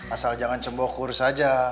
asal jangan cembokur saja